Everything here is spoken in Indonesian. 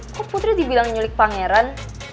kok putri dibilang nyulik pangeran